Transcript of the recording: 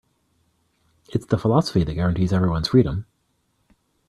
It's the philosophy that guarantees everyone's freedom.